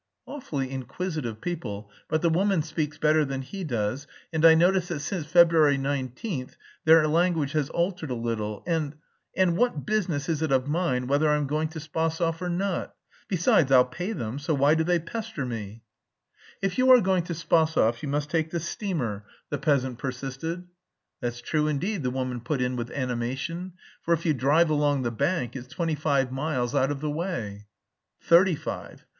"Awfully inquisitive people; but the woman speaks better than he does, and I notice that since February 19,* their language has altered a little, and... and what business is it of mine whether I'm going to Spasov or not? Besides, I'll pay them, so why do they pester me." *February 19, 1861, the day of the Emancipation of the Serfs, is meant. Translator's note. "If you are going to Spasov, you must take the steamer," the peasant persisted. "That's true indeed," the woman put in with animation, "for if you drive along the bank it's twenty five miles out of the way." "Thirty five."